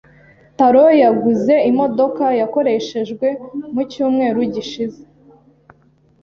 Taro yaguze imodoka yakoreshejwe mu cyumweru gishize.